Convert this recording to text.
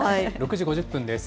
６時５０分です。